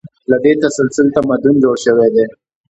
له دې تسلسل تمدن جوړ شوی دی.